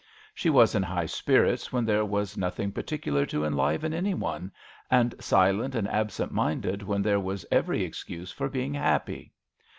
She was in high spirits when there was nothing particular to enliven any one and silent and absent minded when there was every excuse for being happy.